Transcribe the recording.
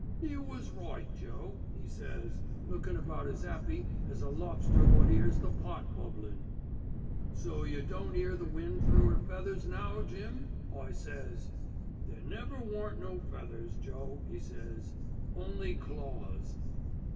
"'You was right, Joe,' 'e says, lookin' about as 'appy as a lobster wot 'ears the pot bubblin'. "'So you don't 'ear the wind through 'er feathers now, Jim?' I says. "'There never warn't no feathers, Joe,' 'e says, 'only claws.